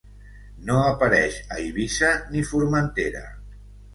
No apareix a Eivissa ni Formentera.